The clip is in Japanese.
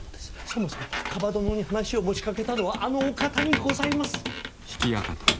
そもそも蒲殿に話を持ちかけたのはあのお方にございます。